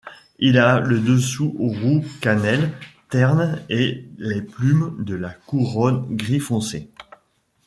Il a le dessous roux-cannelle terne et les plumes de la couronne gris foncé.